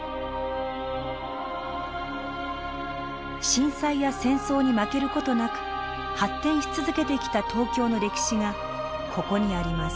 震災や戦争に負ける事なく発展し続けてきた東京の歴史がここにあります。